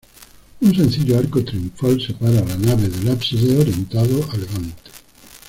Un sencillo arco triunfal separa la nave del ábside, orientado a levante.